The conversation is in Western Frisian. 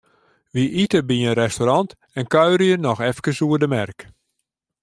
Wy ite by in restaurant en kuierje noch efkes oer de merk.